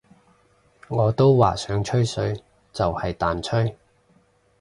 我都話想吹水就是但吹